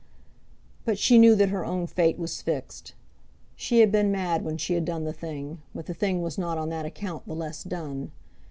But she knew that her own fate was fixed. She had been mad when she had done the thing, but the thing was not on that account the less done.